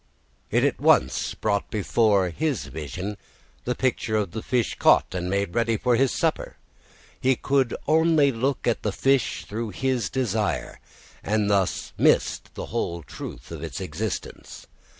It at once brought before his vision the picture of the fish caught and made ready for his supper. He could only look at the fish through his desire, and thus missed the whole truth of its existence.